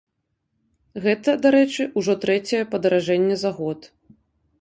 Гэта, дарэчы, ужо трэцяе падаражэнне за год.